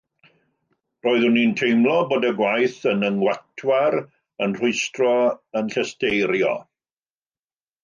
Roeddwn i'n teimlo bod y gwaith yn fy ngwatwar, fy rhwystro, fy llesteirio.